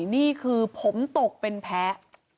นี่คือผมตกเป็นแพ้